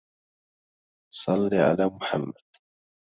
صل على محمد